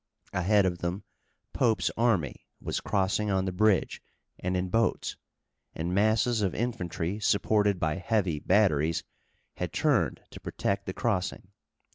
Ahead of them Pope's army was crossing on the bridge and in boats, and masses of infantry supported by heavy batteries had turned to protect the crossing.